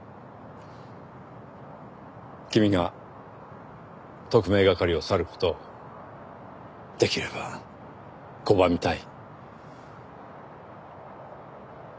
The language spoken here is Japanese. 君が特命係を去る事をできれば拒みたい。